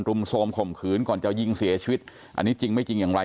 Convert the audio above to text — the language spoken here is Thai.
รุมโทรมข่มขืนก่อนจะยิงเสียชีวิตอันนี้จริงไม่จริงอย่างไร